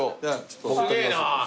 すげえな！